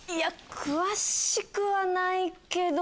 詳しくはないけど。